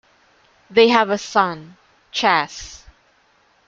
They have a son, Chas.